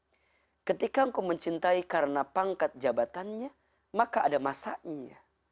karena ketika engkau mencintai karena pangkat jabatannya maka ada masanya